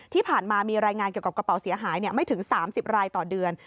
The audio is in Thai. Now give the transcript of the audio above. ที่ผ่านมามีรายงานเกี่ยวกับกระเป๋าเสียหายไม่ถึง๓๐รายต่อเดือน